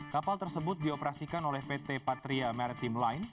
kapal tersebut dioperasikan oleh pt patria maritim line